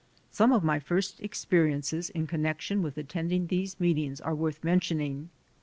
Some of my first experiences in connection with attending these meetings are worth mentioning.